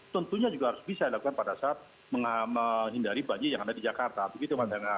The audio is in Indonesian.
tentunya juga harus bisa dilakukan pada saat menghindari banjir yang ada di jakarta begitu mas